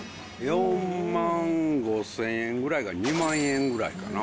４万５０００円ぐらいが２万ぐらいかな。